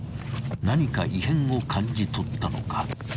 ［何か異変を感じ取ったのか］